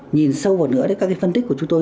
nhìn sâu vào nữa các phân tích của chúng tôi